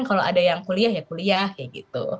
kalau ada yang kuliah ya kuliah kayak gitu